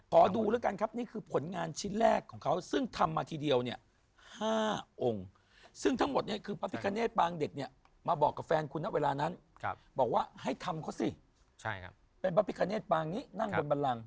ขอดูแล้วกันครับนี่คือผลงานชิ้นแรกของเขาซึ่งทำมาทีเดียวเนี่ย๕องค์ซึ่งทั้งหมดเนี่ยคือพระพิคเนตปางเด็กเนี่ยมาบอกกับแฟนคุณนะเวลานั้นบอกว่าให้ทำเขาสิครับเป็นพระพิกาเนตปางนี้นั่งบนบันลัง